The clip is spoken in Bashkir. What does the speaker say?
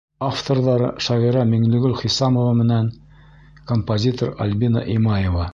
Авторҙары — шағирә Миңлегөл Хисамова менән композитор Альбина Имаева.